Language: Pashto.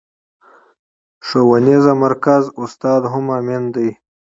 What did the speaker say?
ښوونيز مرکز استاد هم امين دی.